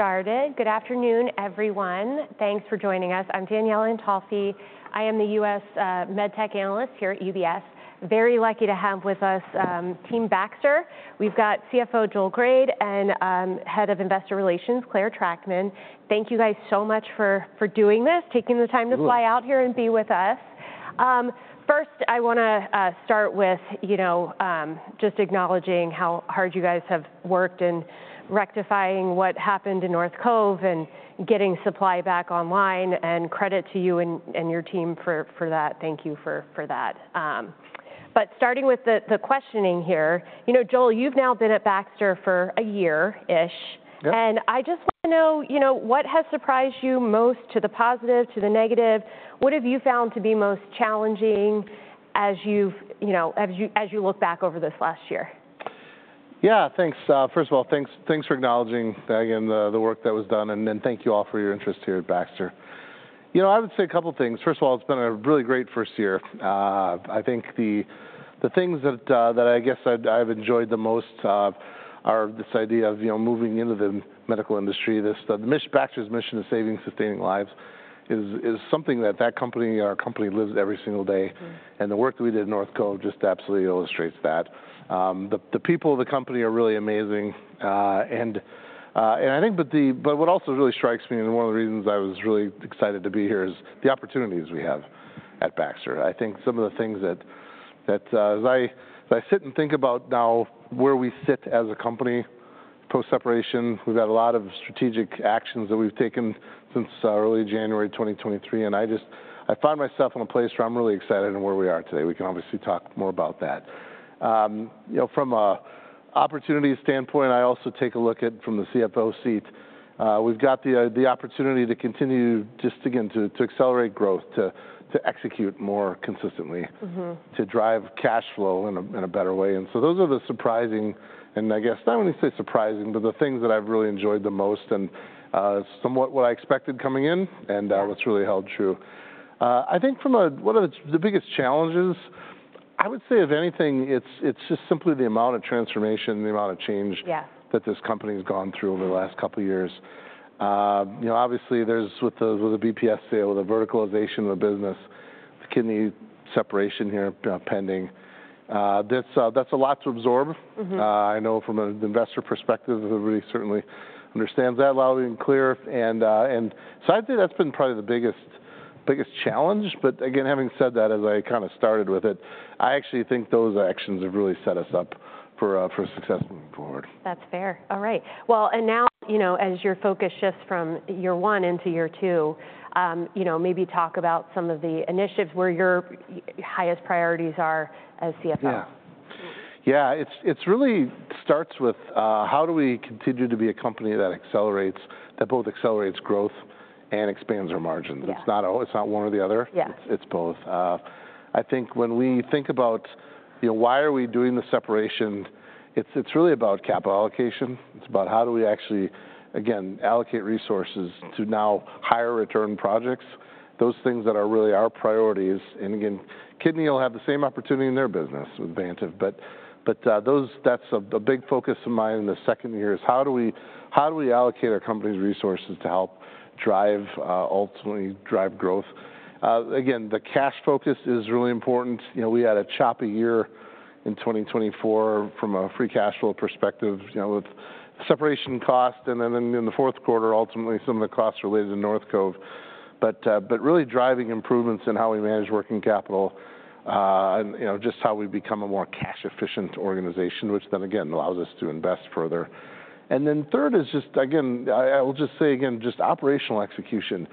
Started. Good afternoon, everyone. Thanks for joining us. I'm Danielle Antalffy. I am the U.S. MedTech analyst here at UBS. Very lucky to have with us Team Baxter. We've got CFO Joel Grade and Head of Investor Relations, Clare Trachtman. Thank you guys so much for doing this, taking the time to fly out here and be with us. First, I want to start with just acknowledging how hard you guys have worked in rectifying what happened in North Cove and getting supply back online. And credit to you and your team for that. Thank you for that. But starting with the questioning here, Joel, you've now been at Baxter for a year-ish. And I just want to know, what has surprised you most, to the positive, to the negative? What have you found to be most challenging as you look back over this last year? Yeah, thanks. First of all, thanks for acknowledging, again, the work that was done. And thank you all for your interest here at Baxter. I would say a couple of things. First of all, it's been a really great first year. I think the things that I guess I've enjoyed the most are this idea of moving into the medical industry. Baxter's mission of saving and sustaining lives is something that our company lives every single day. And the work that we did in North Cove just absolutely illustrates that. The people of the company are really amazing. And I think what also really strikes me, and one of the reasons I was really excited to be here, is the opportunities we have at Baxter. I think some of the things that, as I sit and think about now, where we sit as a company post-separation, we've had a lot of strategic actions that we've taken since early January 2023, and I found myself in a place where I'm really excited and where we are today. We can obviously talk more about that. From an opportunity standpoint, I also take a look at, from the CFO seat, we've got the opportunity to continue, just again, to accelerate growth, to execute more consistently, to drive cash flow in a better way, and so those are the surprising, and I guess I wouldn't say surprising, but the things that I've really enjoyed the most, and somewhat what I expected coming in, and what's really held true. I think one of the biggest challenges, I would say, of anything, it's just simply the amount of transformation, the amount of change that this company has gone through over the last couple of years. Obviously, with the BPS sale, with the verticalization of the business, the kidney separation here pending, that's a lot to absorb. I know from an investor perspective, everybody certainly understands that loudly and clear. And so I'd say that's been probably the biggest challenge. But again, having said that, as I kind of started with it, I actually think those actions have really set us up for success moving forward. That's fair. All right. Well, and now, as your focus shifts from year one into year two, maybe talk about some of the initiatives where your highest priorities are as CFO. Yeah. Yeah, it really starts with how do we continue to be a company that both accelerates growth and expands our margins? It's not one or the other. It's both. I think when we think about why are we doing the separation, it's really about capital allocation. It's about how do we actually, again, allocate resources to now higher return projects, those things that are really our priorities. And again, Kidney will have the same opportunity in their business with Vantive. But that's a big focus of mine in the second year is how do we allocate our company's resources to help ultimately drive growth? Again, the cash focus is really important. We had a choppy year in 2024 from a free cash flow perspective with separation costs. And then in the fourth quarter, ultimately, some of the costs related to North Cove, but really driving improvements in how we manage working capital, and just how we become a more cash-efficient organization, which then, again, allows us to invest further. And then third is just, again, I will just say, again, just operational execution.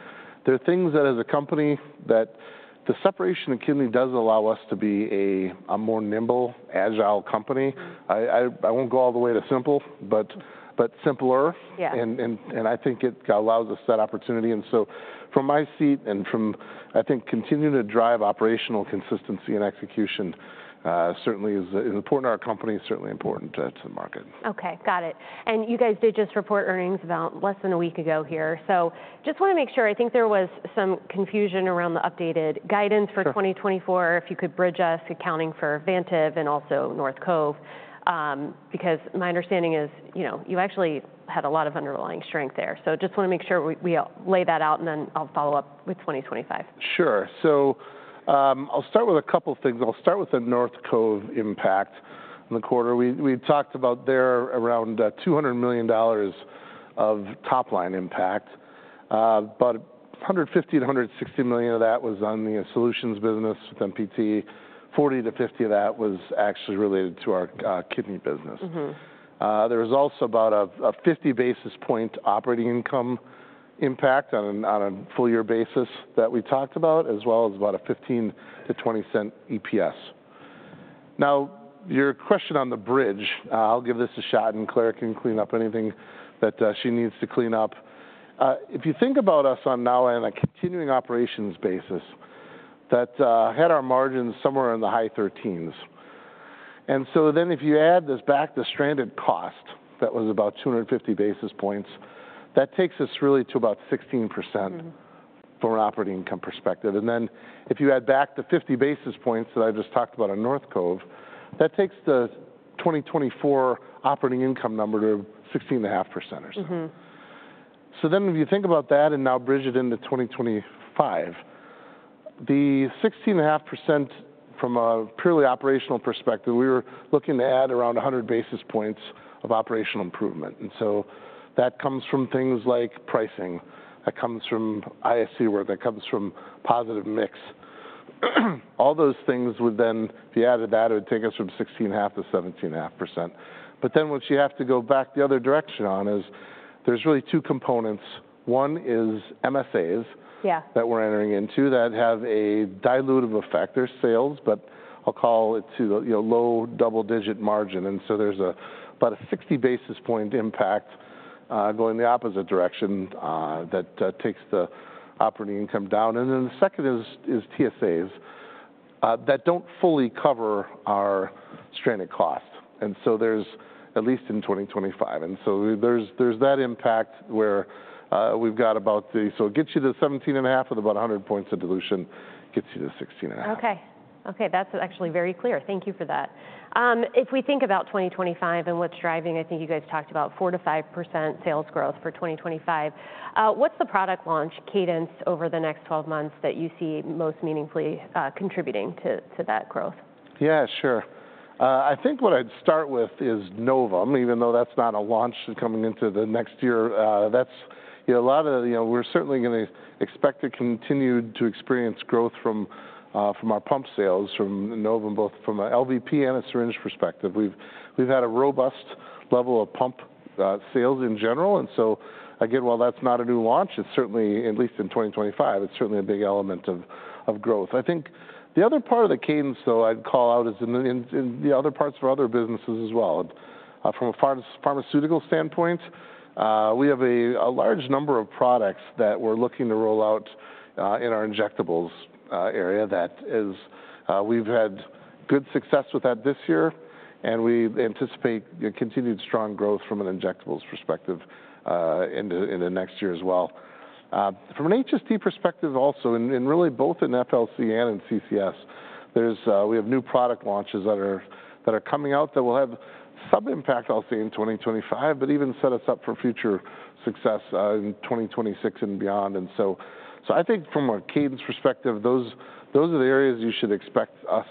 There are things that, as a company, the separation of kidney does allow us to be a more nimble, agile company. I won't go all the way to simple, but simpler. And I think it allows us that opportunity. And so from my seat and from, I think, continuing to drive operational consistency and execution certainly is important to our company, certainly important to the market. OK, got it, and you guys did just report earnings about less than a week ago here, so just want to make sure. I think there was some confusion around the updated guidance for 2024, if you could bridge us, accounting for Vantive and also North Cove, because my understanding is you actually had a lot of underlying strength there, so just want to make sure we lay that out, and then I'll follow up with 2025. Sure. So I'll start with a couple of things. I'll start with the North Cove impact. In the quarter, we talked about there around $200 million of top-line impact. But $150 million-$160 million of that was on the solutions business with MPT. $40 million-$50 million of that was actually related to our kidney business. There was also about a 50 basis points operating income impact on a full-year basis that we talked about, as well as about a $0.15-$0.20 EPS. Now, your question on the bridge, I'll give this a shot, and Clare can clean up anything that she needs to clean up. If you think about us on now on a continuing operations basis, that had our margins somewhere in the high 13s. If you add this back, the stranded cost that was about 250 basis points, that takes us really to about 16% from an operating income perspective. Then if you add back the 50 basis points that I just talked about on North Cove, that takes the 2024 operating income number to 16.5% or so. If you think about that and now bridge it into 2025, the 16.5% from a purely operational perspective, we were looking to add around 100 basis points of operational improvement. That comes from things like pricing, that comes from ISC work, that comes from positive mix. All those things would then be added to that. It would take us from 16.5% to 17.5%. What you have to go back the other direction on is there's really two components. One is MSAs that we're entering into that have a dilutive effect. They're sales, but I'll call it low double-digit margin. And so there's about a 60 basis points impact going the opposite direction that takes the operating income down. And then the second is TSAs that don't fully cover our stranded cost. And so there's at least in 2025, and so there's that impact, where we've got about... so it gets you to 17.5% with about 100 basis points of dilution, gets you to 16.5%. OK. OK, that's actually very clear. Thank you for that. If we think about 2025 and what's driving, I think you guys talked about 4%-5% sales growth for 2025. What's the product launch cadence over the next 12 months that you see most meaningfully contributing to that growth? Yeah, sure. I think what I'd start with is Novum, even though that's not a launch coming into the next year. A lot of, we're certainly going to expect to continue to experience growth from our pump sales, from Novum, both from an LVP and a syringe perspective. We've had a robust level of pump sales in general. And so again, while that's not a new launch, it's certainly, at least in 2025, it's certainly a big element of growth. I think the other part of the cadence, though, I'd call out is in the other parts of other businesses as well. From a pharmaceutical standpoint, we have a large number of products that we're looking to roll out in our injectables area. We've had good success with that this year. And we anticipate continued strong growth from an injectables perspective into next year as well. From an HST perspective also, and really both in FLC and in CCS, we have new product launches that are coming out that will have some impact, I'll say, in 2025, but even set us up for future success in 2026 and beyond. And so I think from a cadence perspective, those are the areas you should expect us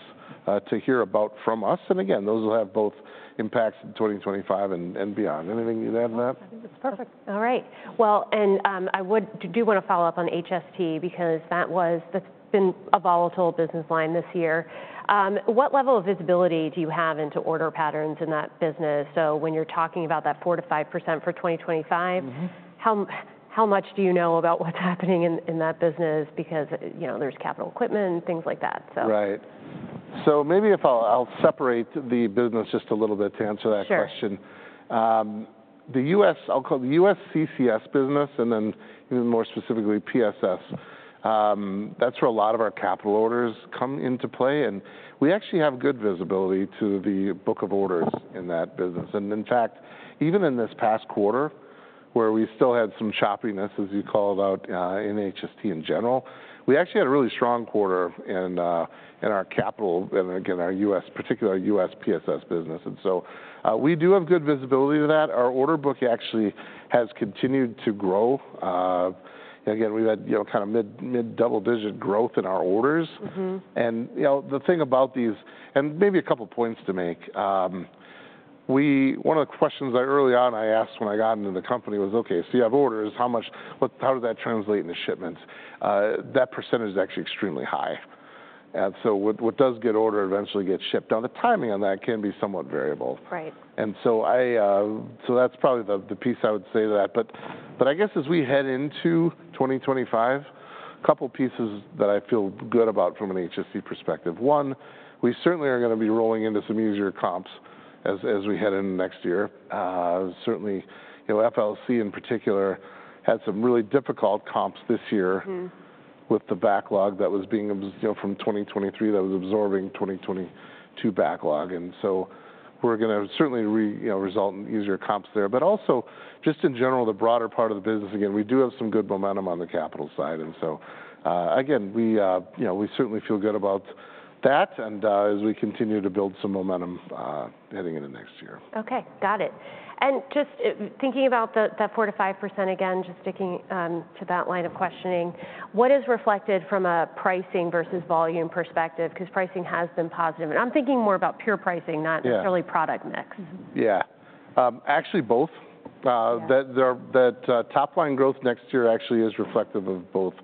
to hear about from us. And again, those will have both impacts in 2025 and beyond. Anything you'd add to that? I think that's perfect. All right, and I do want to follow up on HST because that's been a volatile business line this year. What level of visibility do you have into order patterns in that business? So when you're talking about that 4%-5% for 2025, how much do you know about what's happening in that business? Because there's capital equipment, things like that. Right. So maybe if I'll separate the business just a little bit to answer that question. Sure. I'll call it the U.S. CCS business, and then even more specifically PSS. That's where a lot of our capital orders come into play. And we actually have good visibility to the book of orders in that business. And in fact, even in this past quarter, where we still had some choppiness, as you call it out, in HST in general, we actually had a really strong quarter in our capital, and again, our U.S., particularly our U.S. PSS business. And so we do have good visibility to that. Our order book actually has continued to grow. Again, we've had kind of mid-double-digit growth in our orders. And the thing about these, and maybe a couple of points to make, one of the questions early on I asked when I got into the company was, okay, so you have orders. How does that translate into shipments? That percentage is actually extremely high, and so what does get ordered eventually gets shipped. Now, the timing on that can be somewhat variable, and so that's probably the piece I would say to that. I guess as we head into 2025, a couple of pieces that I feel good about from an HST perspective. One, we certainly are going to be rolling into some easier comps as we head into next year. Certainly, FLC in particular had some really difficult comps this year with the backlog that was being absorbed from 2023 that was absorbing 2022 backlog, and so we're going to certainly result in easier comps there. But also, just in general, the broader part of the business, again, we do have some good momentum on the capital side. And so again, we certainly feel good about that, and as we continue to build some momentum heading into next year. Okay, got it, and just thinking about that 4%-5%, again, just sticking to that line of questioning, what is reflected from a pricing versus volume perspective? Because pricing has been positive, and I'm thinking more about pure pricing, not necessarily product mix. Yeah. Actually, both. That top-line growth next year actually is reflective of both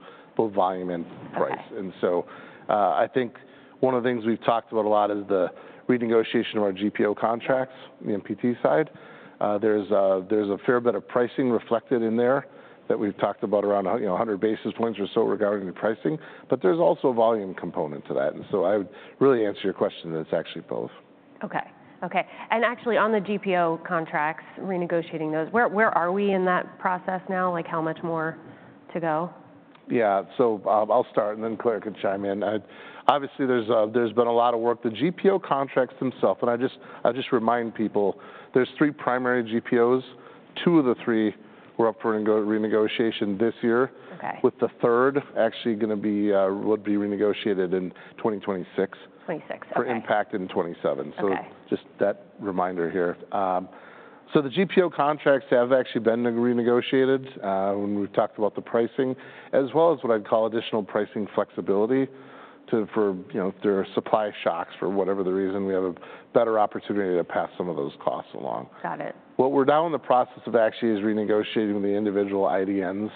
volume and price. And so I think one of the things we've talked about a lot is the renegotiation of our GPO contracts, the MPT side. There's a fair bit of pricing reflected in there that we've talked about around 100 basis points or so regarding the pricing. But there's also a volume component to that. And so I would really answer your question that it's actually both. Okay. Okay. And actually, on the GPO contracts, renegotiating those, where are we in that process now? Like how much more to go? Yeah. So I'll start, and then Clare can chime in. Obviously, there's been a lot of work. The GPO contracts themselves, and I just remind people, there's three primary GPOs. Two of the three were up for renegotiation this year, with the third actually going to be renegotiated in 2026. 2026. Okay. For impact in 2027. So just that reminder here. So the GPO contracts have actually been renegotiated when we've talked about the pricing, as well as what I'd call additional pricing flexibility for supply shocks, for whatever the reason, we have a better opportunity to pass some of those costs along. Got it. What we're now in the process of actually is renegotiating the individual IDNs.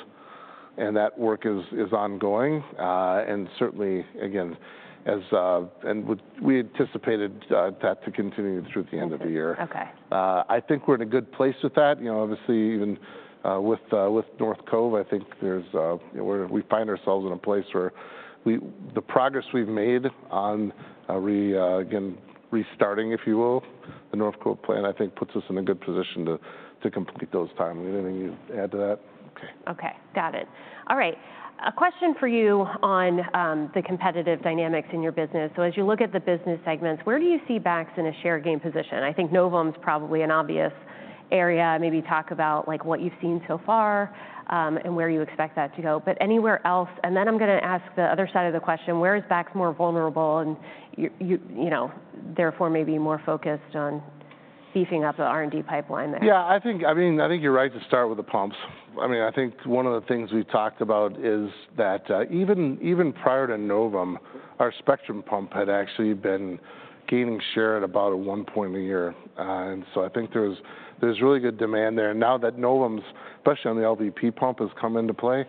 And that work is ongoing. And certainly, again, we anticipated that to continue through the end of the year. I think we're in a good place with that. Obviously, even with North Cove, I think we find ourselves in a place where the progress we've made on, again, restarting, if you will, the North Cove plan, I think puts us in a good position to complete those timelines. Anything you'd add to that? Okay. Okay, got it. All right. A question for you on the competitive dynamics in your business. So as you look at the business segments, where do you see BAX in a share gain position? I think Novum is probably an obvious area. Maybe talk about what you've seen so far and where you expect that to go. But anywhere else? And then I'm going to ask the other side of the question. Where is BAX more vulnerable, and therefore maybe more focused on beefing up the R&D pipeline there? Yeah. I think you're right to start with the pumps. I mean, I think one of the things we've talked about is that even prior to Novum, our Spectrum pump had actually been gaining share at about a one point a year. And so I think there's really good demand there. And now that Novum's, especially on the LVP pump, has come into play,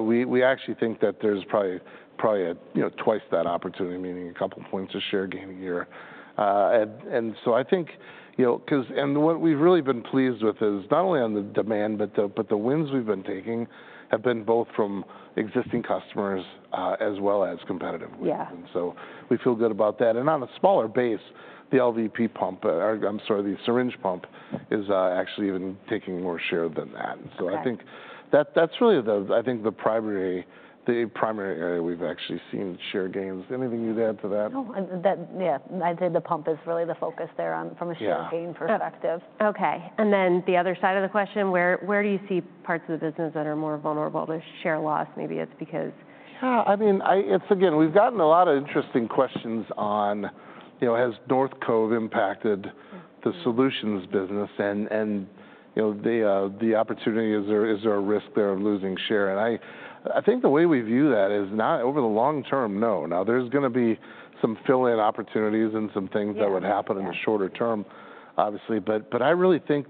we actually think that there's probably twice that opportunity, meaning a couple of points of share gain a year. And so I think, because what we've really been pleased with is not only on the demand, but the wins we've been taking have been both from existing customers as well as competitive wins. And so we feel good about that. And on a smaller base, the LVP pump, I'm sorry, the syringe pump is actually even taking more share than that. I think that's really, I think, the primary area we've actually seen share gains. Anything you'd add to that? Yeah. I'd say the pump is really the focus there from a share gain perspective. Okay. And then the other side of the question, where do you see parts of the business that are more vulnerable to share loss? Maybe it's because. Yeah. I mean, again, we've gotten a lot of interesting questions on, has North Cove impacted the solutions business? And the opportunity, is there a risk there of losing share? And I think the way we view that is not over the long term, no. Now, there's going to be some fill-in opportunities and some things that would happen in the shorter term, obviously. But I really think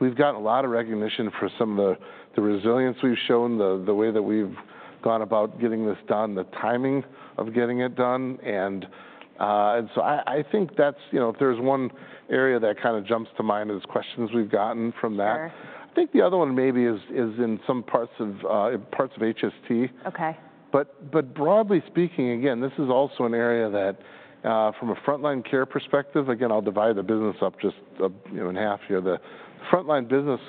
we've gotten a lot of recognition for some of the resilience we've shown, the way that we've gone about getting this done, the timing of getting it done. And so I think that's if there's one area that kind of jumps to mind as questions we've gotten from that. I think the other one maybe is in some parts of HST. But broadly speaking, again, this is also an area that from a Front Line Care perspective, again, I'll divide the business up just in half here. The frontline business,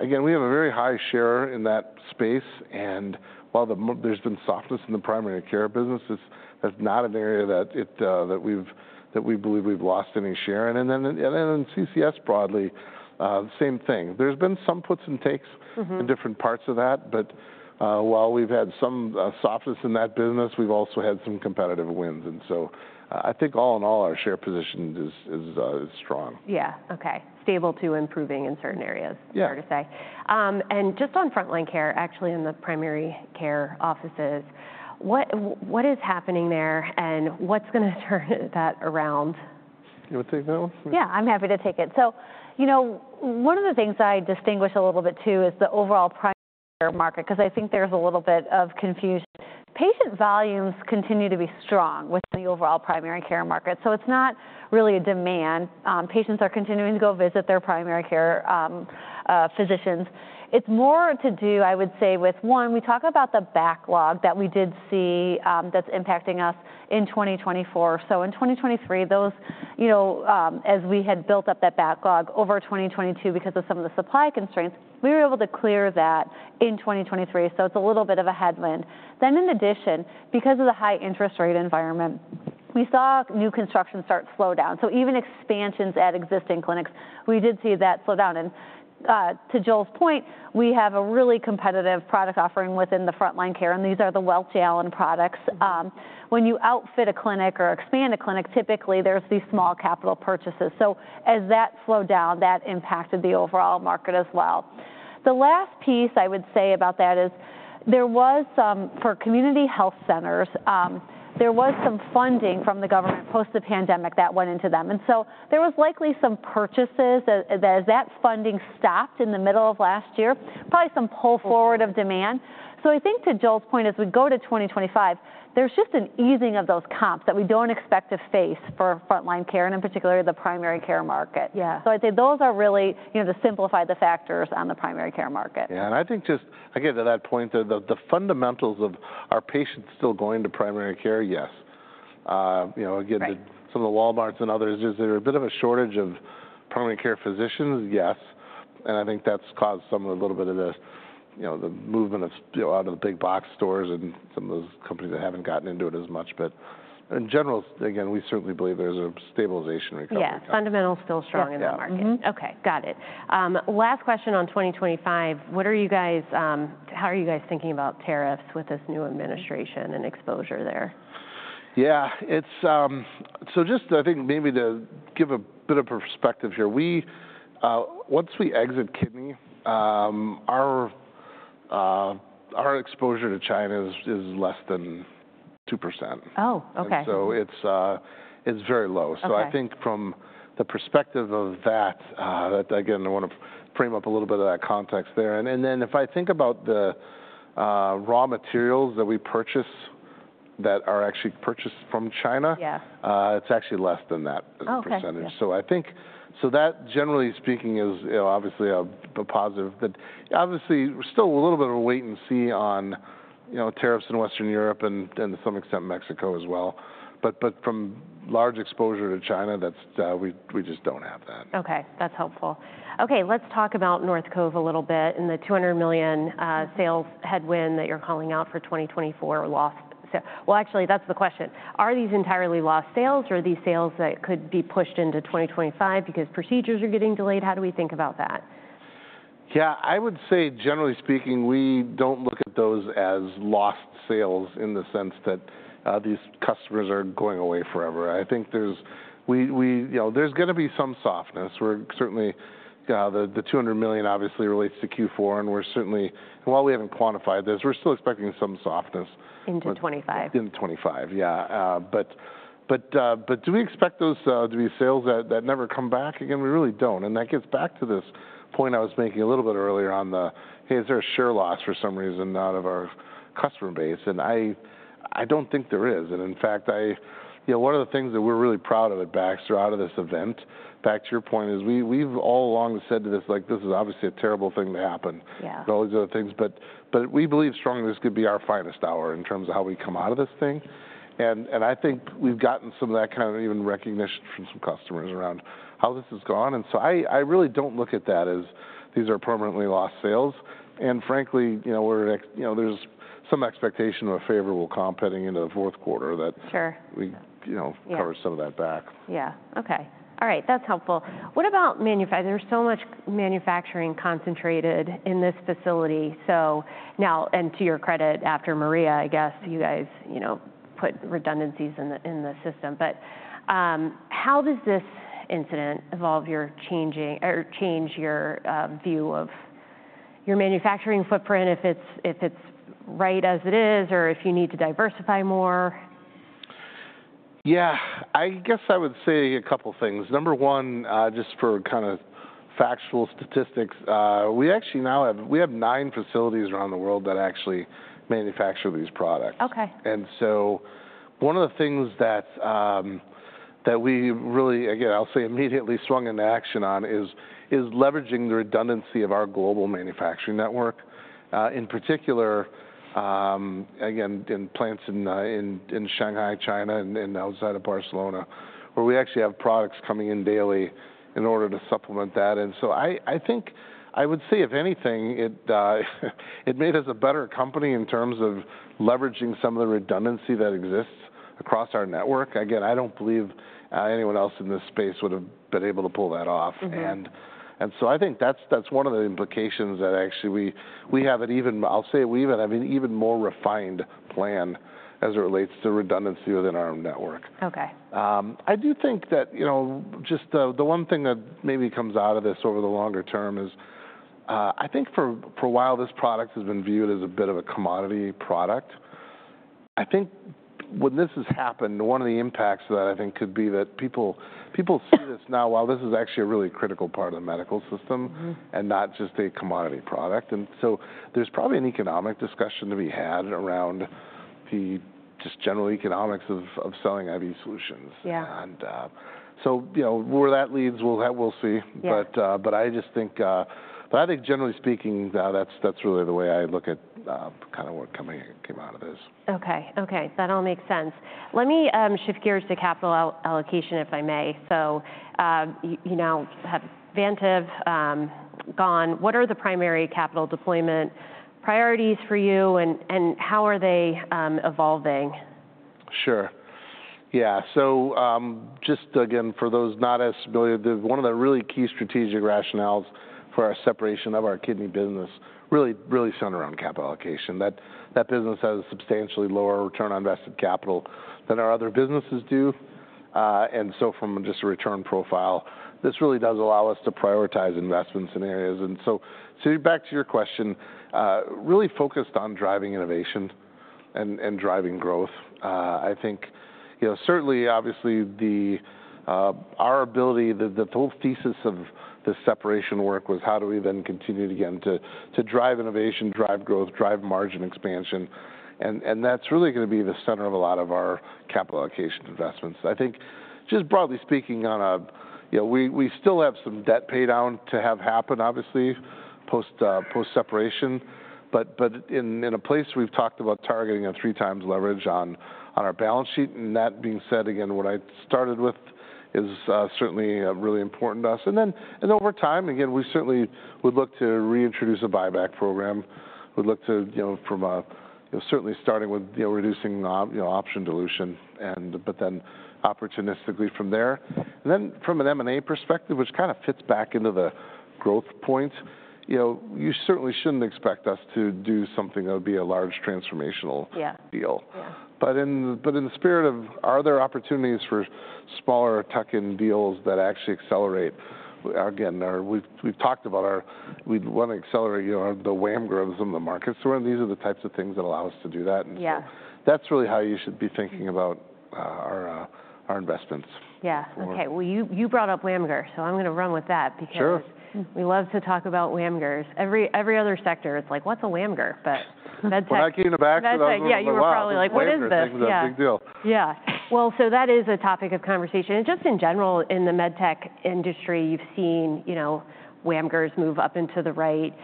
again, we have a very high share in that space. And while there's been softness in the primary care business, that's not an area that we believe we've lost any share in. And then in CCS broadly, the same thing. There's been some puts and takes in different parts of that. But while we've had some softness in that business, we've also had some competitive wins. And so I think all in all, our share position is strong. Yeah. Okay. Stable to improving in certain areas, I'm sorry to say. And just on Front Line Care, actually in the primary care offices, what is happening there and what's going to turn that around? You want to take that one? Yeah. I'm happy to take it. So one of the things I distinguish a little bit too is the overall primary care market, because I think there's a little bit of confusion. Patient volumes continue to be strong with the overall primary care market. So it's not really a demand. Patients are continuing to go visit their primary care physicians. It's more to do, I would say, with one, we talk about the backlog that we did see that's impacting us in 2024. So in 2023, as we had built up that backlog over 2022 because of some of the supply constraints, we were able to clear that in 2023. So it's a little bit of a headwind. Then in addition, because of the high interest rate environment, we saw new construction start slow down. So even expansions at existing clinics, we did see that slow down. And to Joel's point, we have a really competitive product offering within the Front Line Care. And these are the Welch Allyn products. When you outfit a clinic or expand a clinic, typically there's these small capital purchases. So as that slowed down, that impacted the overall market as well. The last piece I would say about that is there was some for community health centers, there was some funding from the government post the pandemic that went into them. And so there was likely some purchases. As that funding stopped in the middle of last year, probably some pull forward of demand. So I think to Joel's point, as we go to 2025, there's just an easing of those comps that we don't expect to face for Front Line Care and in particular the primary care market. I'd say those are really to simplify the factors on the primary care market. Yeah, and I think just, again, to that point, the fundamentals of are patients still going to primary care? Yes. Again, some of the Walmarts and others, is there a bit of a shortage of primary care physicians? Yes, and I think that's caused some of a little bit of the movement out of the big box stores and some of those companies that haven't gotten into it as much, but in general, again, we certainly believe there's a stabilization recovery. Yeah. Fundamentals still strong in the market. Yeah. Okay. Got it. Last question on 2025. What are you guys thinking about tariffs with this new administration and exposure there? Yeah. So just I think maybe to give a bit of perspective here, once we exit kidney, our exposure to China is less than 2%. Oh, okay. And so it's very low. So I think from the perspective of that, that again, I want to frame up a little bit of that context there. And then if I think about the raw materials that we purchase that are actually purchased from China, it's actually less than that as a percentage. So I think so that, generally speaking, is obviously a positive. But obviously, we're still a little bit of a wait and see on tariffs in Western Europe and to some extent Mexico as well. But from large exposure to China, we just don't have that. Okay. That's helpful. Okay. Let's talk about North Cove a little bit and the $200 million sales headwind that you're calling out for 2024, lost. Well, actually, that's the question. Are these entirely lost sales or are these sales that could be pushed into 2025 because procedures are getting delayed? How do we think about that? Yeah. I would say, generally speaking, we don't look at those as lost sales in the sense that these customers are going away forever. I think there's going to be some softness. Certainly, the $200 million obviously relates to Q4. And while we haven't quantified this, we're still expecting some softness. Into 2025. Into 2025, yeah. But do we expect those to be sales that never come back? Again, we really don't. And that gets back to this point I was making a little bit earlier on the, hey, is there a share loss for some reason out of our customer base? And I don't think there is. And in fact, one of the things that we're really proud of at Baxter out of this event, back to your point, is we've all along said to this, like, this is obviously a terrible thing to happen, all these other things. But we believe strongly this could be our finest hour in terms of how we come out of this thing. And I think we've gotten some of that kind of even recognition from some customers around how this has gone. And so I really don't look at that as these are permanently lost sales. And frankly, there's some expectation of a favorable comp heading into the fourth quarter that we cover some of that back. Yeah. Okay. All right. That's helpful. What about manufacturing? There's so much manufacturing concentrated in this facility. So now, and to your credit, after Maria, I guess you guys put redundancies in the system. But how does this incident evolve your change or change your view of your manufacturing footprint, if it's right as it is, or if you need to diversify more? Yeah. I guess I would say a couple of things. Number one, just for kind of factual statistics, we actually now have nine facilities around the world that actually manufacture these products. And so one of the things that we really, again, I'll say immediately swung into action on is leveraging the redundancy of our global manufacturing network, in particular, again, in plants in Shanghai, China, and outside of Barcelona, where we actually have products coming in daily in order to supplement that. And so I think I would say, if anything, it made us a better company in terms of leveraging some of the redundancy that exists across our network. Again, I don't believe anyone else in this space would have been able to pull that off. I think that's one of the implications that actually we have an even more refined plan as it relates to redundancy within our network. Okay. I do think that just the one thing that maybe comes out of this over the longer term is I think for a while this product has been viewed as a bit of a commodity product. I think when this has happened, one of the impacts that I think could be that people see this now, well, this is actually a really critical part of the medical system and not just a commodity product, and so there's probably an economic discussion to be had around the just general economics of selling IV solutions, and so where that leads, we'll see, but I think generally speaking, that's really the way I look at kind of what came out of this. Okay. Okay. That all makes sense. Let me shift gears to capital allocation, if I may. So Vantive gone what are the primary capital deployment priorities for you, and how are they evolving? Sure. Yeah. So just again, for those not as familiar, one of the really key strategic rationales for our separation of our kidney business really centered around capital allocation. That business has a substantially lower return on invested capital than our other businesses do. And so from just a return profile, this really does allow us to prioritize investments in areas. And so back to your question, really focused on driving innovation and driving growth. I think certainly, obviously, our ability, the whole thesis of the separation work was how do we then continue to, again, to drive innovation, drive growth, drive margin expansion. And that's really going to be the center of a lot of our capital allocation investments. I think just broadly speaking, we still have some debt pay down to have happen, obviously, post-separation. But in a place, we've talked about targeting a three times leverage on our balance sheet. And that being said, again, what I started with is certainly really important to us. And then over time, again, we certainly would look to reintroduce a buyback program. We'd look to, from certainly starting with reducing option dilution, but then opportunistically from there. And then from an M&A perspective, which kind of fits back into the growth point, you certainly shouldn't expect us to do something that would be a large transformational deal. But in the spirit of are there opportunities for smaller tuck-in deals that actually accelerate? Again, we've talked about we'd want to accelerate the WAMGRs in the market. So these are the types of things that allow us to do that. And so that's really how you should be thinking about our investments. Yeah. Okay. Well, you brought up WAMGR. So I'm going to run with that because we love to talk about WAMGRs. Every other sector, it's like, what's a WAMGR? But MedTech. Back to the WAMGR. Yeah. You were probably like, what is this? That's a big deal. Yeah. Well, so that is a topic of conversation. And just in general, in the MedTech industry, you've seen WAMGRs move up into the right.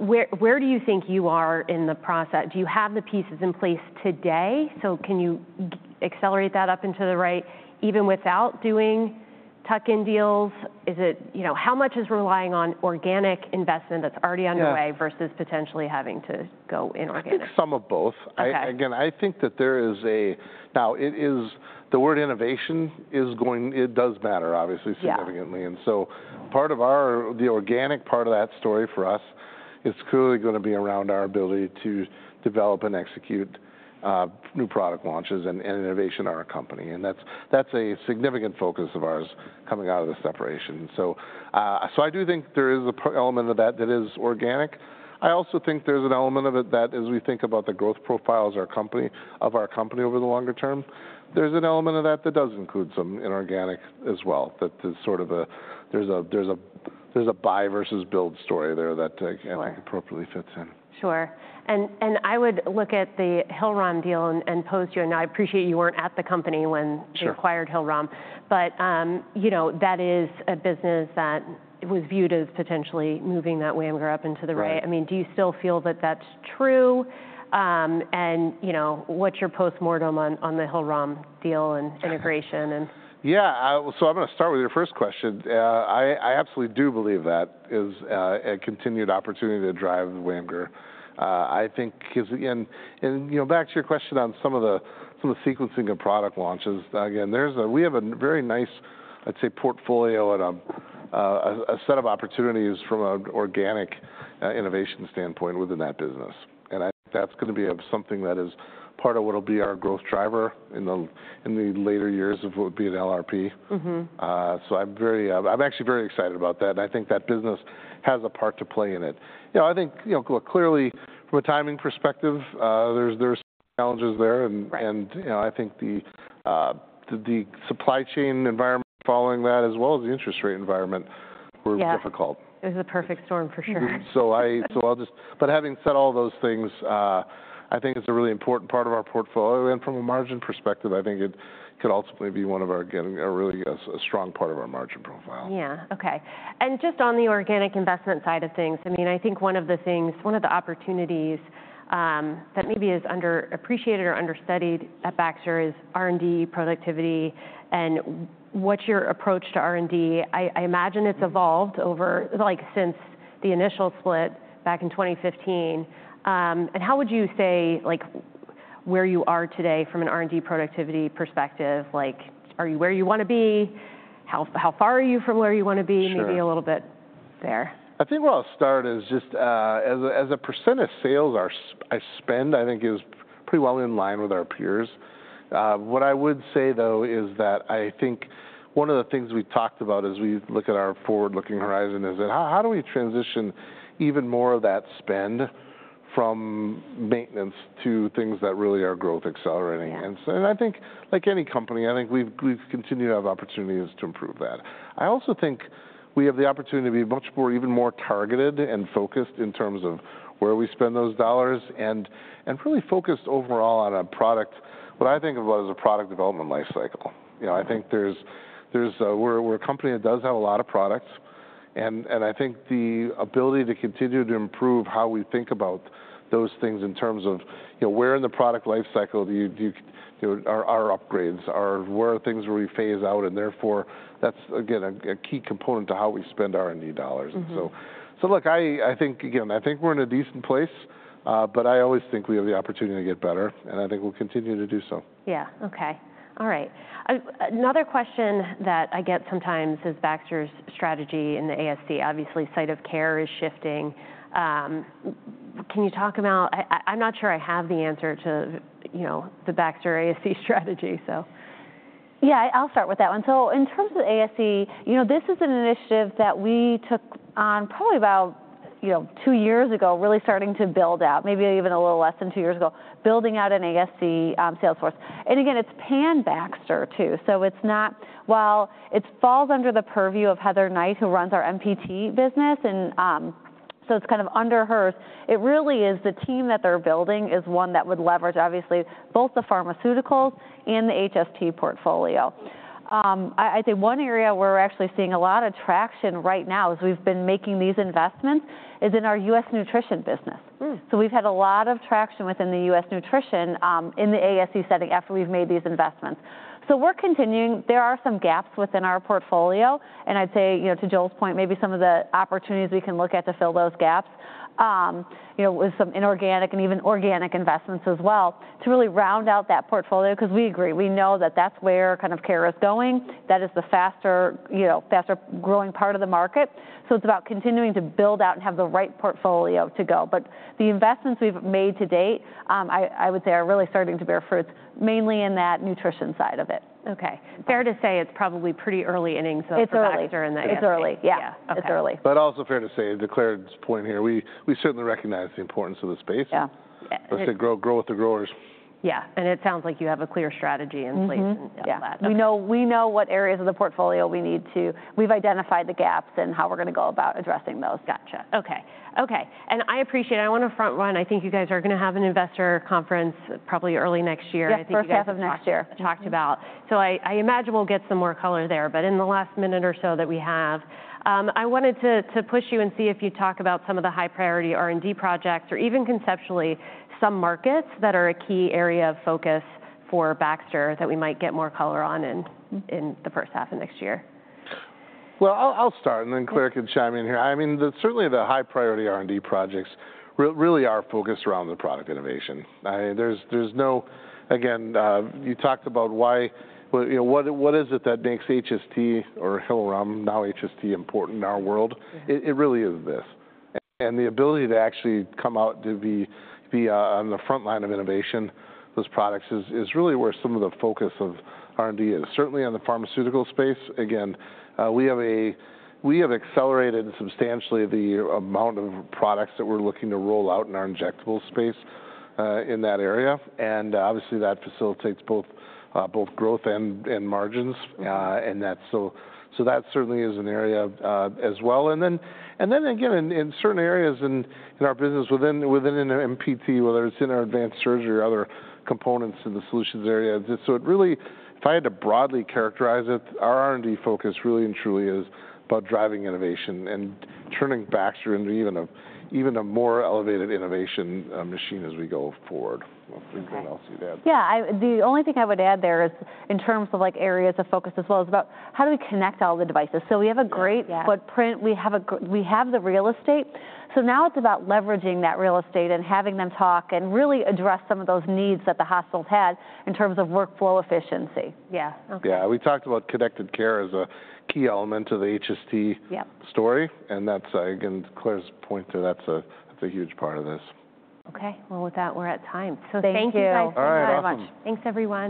Where do you think you are in the process? Do you have the pieces in place today? So can you accelerate that up into the right even without doing tuck-in deals? How much is relying on organic investment that's already underway versus potentially having to go inorganic? I think some of both. Again, I think that there is now the word innovation is going. It does matter, obviously, significantly, and so part of the organic part of that story for us is clearly going to be around our ability to develop and execute new product launches and innovation at our company. That's a significant focus of ours coming out of the separation, so I do think there is an element of that that is organic. I also think there's an element of it that, as we think about the growth profiles of our company over the longer term, there's an element of that that does include some inorganic as well. That there's sort of a buy versus build story there that I think appropriately fits in. Sure. And I would look at the Hillrom deal post-close. And I appreciate you weren't at the company when they acquired Hillrom. But that is a business that was viewed as potentially moving that WAMGR up into the right. I mean, do you still feel that that's true? And what's your post-mortem on the Hillrom deal and integration? Yeah. So I'm going to start with your first question. I absolutely do believe that is a continued opportunity to drive WAMGR. I think, again, and back to your question on some of the sequencing of product launches, again, we have a very nice, I'd say, portfolio and a set of opportunities from an organic innovation standpoint within that business. And I think that's going to be something that is part of what will be our growth driver in the later years of what would be an LRP. So I'm actually very excited about that. And I think that business has a part to play in it. I think clearly, from a timing perspective, there's challenges there. And I think the supply chain environment following that, as well as the interest rate environment, were difficult. Yeah. It was a perfect storm for sure. But having said all those things, I think it's a really important part of our portfolio. And from a margin perspective, I think it could ultimately be one of our, again, a really strong part of our margin profile. Yeah. Okay. And just on the organic investment side of things, I mean, I think one of the things, one of the opportunities that maybe is underappreciated or understudied at Baxter is R&D productivity. And what's your approach to R&D? I imagine it's evolved over since the initial split back in 2015. And how would you say where you are today from an R&D productivity perspective? Are you where you want to be? How far are you from where you want to be? Maybe a little bit there. I think where I'll start is just as a percentage of sales I spend, I think is pretty well in line with our peers. What I would say, though, is that I think one of the things we've talked about as we look at our forward-looking horizon is that how do we transition even more of that spend from maintenance to things that really are growth accelerating? I think, like any company, I think we've continued to have opportunities to improve that. I also think we have the opportunity to be much more targeted and focused in terms of where we spend those dollars and really focused overall on a product, what I think of as a product development life cycle. I think we're a company that does have a lot of products. And I think the ability to continue to improve how we think about those things in terms of where in the product life cycle are upgrades, where are things where we phase out? And therefore, that's, again, a key component to how we spend R&D dollars. And so look, I think, again, I think we're in a decent place. But I always think we have the opportunity to get better. And I think we'll continue to do so. Yeah. Okay. All right. Another question that I get sometimes is Baxter's strategy in the ASC. Obviously, site of care is shifting. Can you talk about? I'm not sure I have the answer to the Baxter ASC strategy. So yeah, I'll start with that one. So in terms of the ASC, this is an initiative that we took on probably about two years ago, really starting to build out, maybe even a little less than two years ago, building out an ASC sales force. And again, it's pan Baxter too. So while it falls under the purview of Heather Knight, who runs our MPT business, and so it's kind of under hers, it really is the team that they're building is one that would leverage, obviously, both the pharmaceuticals and the HST portfolio. I think one area where we're actually seeing a lot of traction right now as we've been making these investments is in our U.S. Nutrition business. So we've had a lot of traction within the U.S. Nutrition in the ASC setting after we've made these investments. So we're continuing. There are some gaps within our portfolio. And I'd say, to Joel's point, maybe some of the opportunities we can look at to fill those gaps with some inorganic and even organic investments as well to really round out that portfolio. Because we agree, we know that that's where kind of care is going. That is the faster growing part of the market. So it's about continuing to build out and have the right portfolio to go. But the investments we've made to date, I would say, are really starting to bear fruit, mainly in that Nutrition side of it. Okay. Fair to say it's probably pretty early innings of Baxter in that yard. It's early. Yeah. It's early. But also fair to say, to Clare's point here, we certainly recognize the importance of the space. Yeah. Let's say grow with the growers. Yeah. And it sounds like you have a clear strategy in place and all that. We know what areas of the portfolio we need to. We've identified the gaps and how we're going to go about addressing those. Gotcha. Okay. Okay. And I appreciate it. I want to front run. I think you guys are going to have an investor conference probably early next year. Yes. First half of next year. Talked about. So I imagine we'll get some more color there. But in the last minute or so that we have, I wanted to push you and see if you'd talk about some of the high-priority R&D projects or even conceptually some markets that are a key area of focus for Baxter that we might get more color on in the first half of next year. I'll start. Then Clare can chime in here. I mean, certainly the high-priority R&D projects really are focused around the product innovation. Again, you talked about why what is it that makes HST or Hillrom, now HST, important in our world? It really is this. And the ability to actually come out to be on the front line of innovation, those products is really where some of the focus of R&D is. Certainly in the pharmaceutical space, again, we have accelerated substantially the amount of products that we're looking to roll out in our injectable space in that area. And obviously, that facilitates both growth and margins. And so that certainly is an area as well. And then again, in certain areas in our business within an MPT, whether it's in our Advanced Surgery or other components in the solutions area, so it really, if I had to broadly characterize it, our R&D focus really and truly is about driving innovation and turning Baxter into even a more elevated innovation machine as we go forward. If there's anything else you'd add. Yeah. The only thing I would add there is in terms of areas of focus as well is about how do we connect all the devices? So we have a great footprint. We have the real estate. So now it's about leveraging that real estate and having them talk and really address some of those needs that the hospitals had in terms of workflow efficiency. Yeah. Yeah. We talked about connected care as a key element to the HST story. And that's, again, Clare's point there. That's a huge part of this. Okay. With that, we're at time. Thank you guys very much. All right. Thanks, everyone.